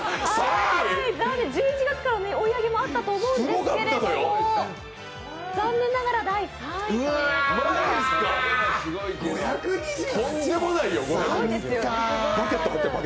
１１月から追い上げもあったと思うんですけれども残念ながら第３位ということで。